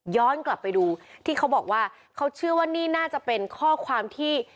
กลับไปดูที่เขาบอกว่าเขาเชื่อว่านี่น่าจะเป็นข้อความที่